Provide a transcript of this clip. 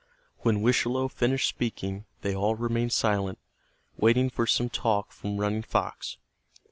When Wischalowe finished speaking they all remained silent, waiting for some talk from Running Fox.